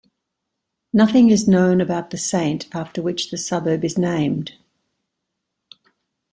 Nothing is known about the Saint after which the suburb is named.